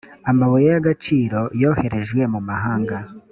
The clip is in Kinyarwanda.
amabuye y ‘agaciro yoherejwe mu mahanga